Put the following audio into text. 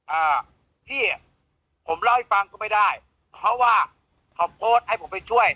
อ่าพี่อ่ะผมเล่าให้ฟังก็ไม่ได้เพราะว่าเขาโพสต์ให้ผมไปช่วย